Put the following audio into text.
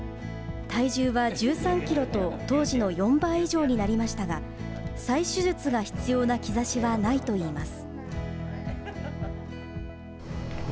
体重は１３キロと当時の４倍以上になりましたが、再手術が必要な兆しはないといいます。